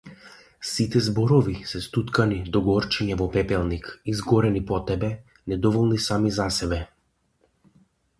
Сите зборови се стуткани догорчиња во пепелник, изгорени по тебе, недоволни сами за себе.